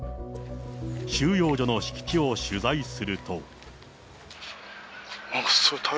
収容所の敷地を取材すると。